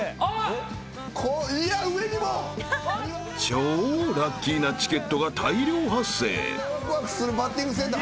［超ラッキーなチケットが大量発生］